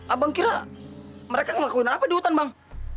abang kira mereka ngelakuin apa di hutan bang